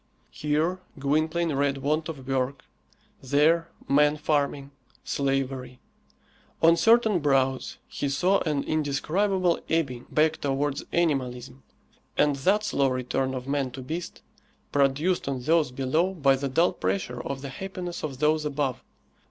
Here Gwynplaine read want of work; there man farming, slavery. On certain brows he saw an indescribable ebbing back towards animalism, and that slow return of man to beast, produced on those below by the dull pressure of the happiness of those above.